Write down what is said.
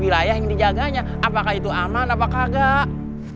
wilayah yang dijaganya apakah itu aman apakah enggak